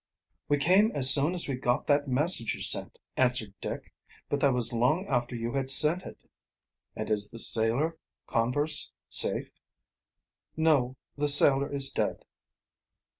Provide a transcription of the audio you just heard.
"We came as soon as we got that message you sent," answered Dick. "But that was long after you had sent it." "And is the sailor, Converse, safe?" "No; the sailor is dead."